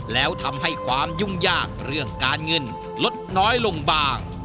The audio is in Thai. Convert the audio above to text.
แล้วทำให้ความยุ่งยากเรื่องการเงินลดน้อยลงบ้าง